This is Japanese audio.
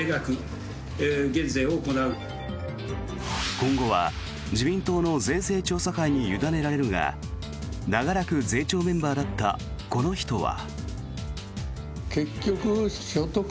今後は自民党の税制調査会に委ねられるが長らく税調メンバーだったこの人は。